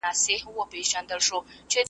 چي د ظلم او استبداد څخه یې .